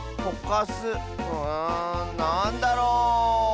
うんなんだろう？